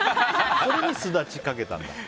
それにスダチをかけたんだ。